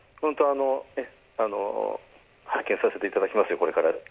拝見させていただきますよ、これから。